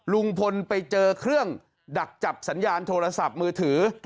ลุงพลไปเจอเครื่องดักจับสัญญาณโทรศัพท์มือถือ